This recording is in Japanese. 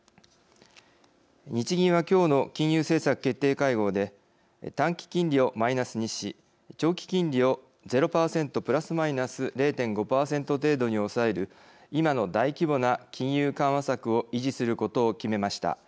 日銀は、今日の金融政策決定会合で短期金利をマイナスにし長期金利をゼロ％＋−０．５％程度に抑える今の大規模な金融緩和策を維持することを決めました。